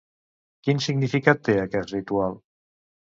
Quin significat té aquest ritual?